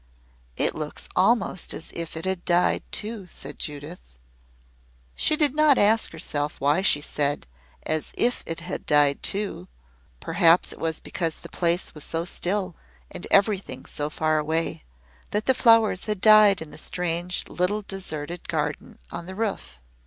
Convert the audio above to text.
"It looks almost as if it had died too," said Judith. She did not ask herself why she said "as if it had died too" perhaps it was because the place was so still and everything so far away that the flowers had died in the strange, little deserted garden on the roof.